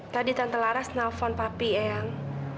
tadi tante laras nelfon papi eyang